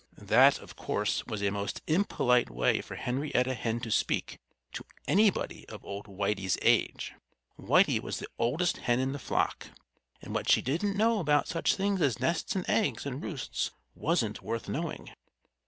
That, of course, was a most impolite way for Henrietta Hen to speak to anybody of old Whitey's age. Whitey was the oldest hen in the flock. And what she didn't know about such things as nests and eggs and roosts wasn't worth knowing.